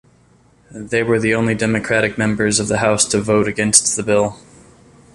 They were the only Democratic members of the House to vote against the bill.